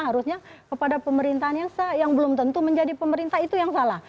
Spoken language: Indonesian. harusnya kepada pemerintahnya yang belum tentu menjadi pemerintah itu yang salah